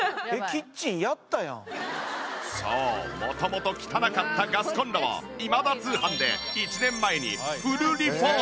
そう元々汚かったガスコンロを『今田通販』で１年前にフルリフォーム。